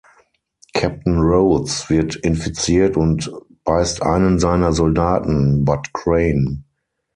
Captain Rhodes wird infiziert und beißt einen seiner Soldaten, Bud Crain.